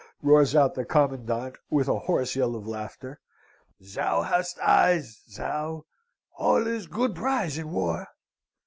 roars out the commandant, with a hoarse yell of laughter. 'Thou hast eyes, thou! All is good prize in war.'